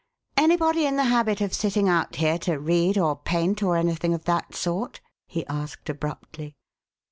"Anybody in the habit of sitting out here to read or paint or anything of that sort?" he asked abruptly.